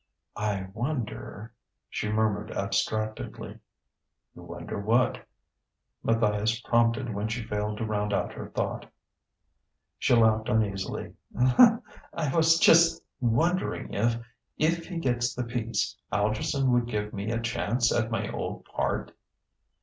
"I wonder ..." she murmured abstractedly. "You wonder what ?" Matthias prompted when she failed to round out her thought. She laughed uneasily. "I was just wondering if if he gets the piece Algerson would give me a chance at my old part?"